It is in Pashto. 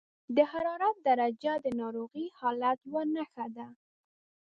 د حرارت درجه د ناروغۍ د حالت یوه نښه ده.